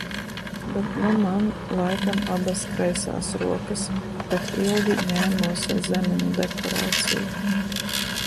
Bet nu man laikam abas kreisās rokas, tak ilgi ņēmos ar zemeņu dekorāciju.